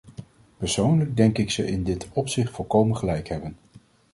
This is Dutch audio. Persoonlijk denk ik ze in dit opzicht volkomen gelijk hebben.